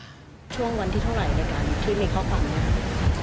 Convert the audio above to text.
ช่วงวันที่เท่าไหร่ในการที่มีข้อความนี้